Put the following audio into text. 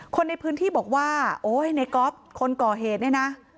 คนในพื้นที่บอกว่าโอ๊ยในก๊อฟคนก่อเหตุเนี่ยนะ